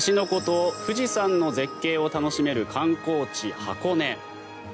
湖と富士山の絶景を楽しめる観光地、箱根。